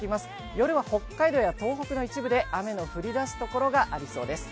夜は北海道や東北の一部で雨が降り出すところがありそうです。